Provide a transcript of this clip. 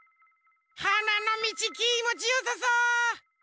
はなのみちきもちよさそう！